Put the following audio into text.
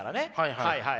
はいはい。